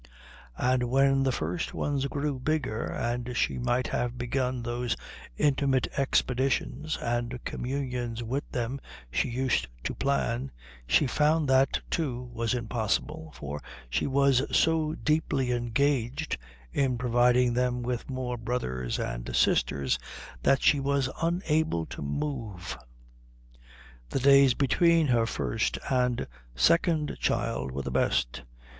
And when the first ones grew bigger and she might have begun those intimate expeditions and communions with them she used to plan, she found that, too, was impossible, for she was so deeply engaged in providing them with more brothers and sisters that she was unable to move. The days between her first and second child were the best.